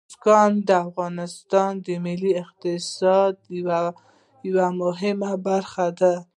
بزګان د افغانستان د ملي اقتصاد یوه مهمه برخه ده.